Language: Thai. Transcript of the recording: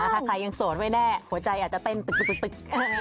ถ้าใครยังโสดไม่แน่หัวใจอาจจะเต้นตึก